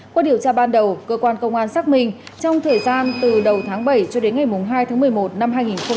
qua điều tra ban đầu cơ quan công an xác minh trong thời gian từ đầu tháng bảy cho đến ngày hai tháng một mươi một năm hai nghìn hai mươi ba